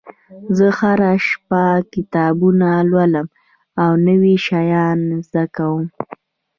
زه هره شپه کتابونه لولم او نوي شیان زده کوم